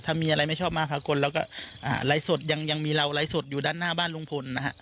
ถ้ามีอะไรไม่ชอบมากค่ะคนเราก็ไลฟ์สดยังยังมีเราไลฟ์สดอยู่ด้านหน้าบ้านลุงพลนะฮะ